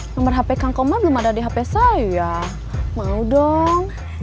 nomor hp kang koma belum ada di hp saya ya mau dong